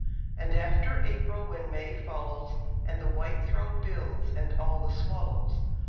And after April, when May follows, And the white throat builds, and all the swallows!